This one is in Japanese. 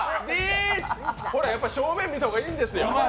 ほら正面を見た方がいいんですよ。